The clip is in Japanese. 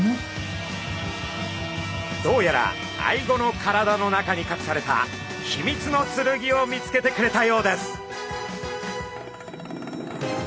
どうやらアイゴの体の中にかくされた秘密の剣を見つけてくれたようです。